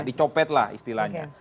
dicopet lah istilahnya